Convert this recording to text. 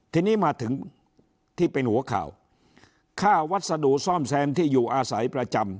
ทีนี้มาถึงที่เป็นหัวข่าวค่าวัสดุซ่อมแซมที่อยู่อาศัยประจำ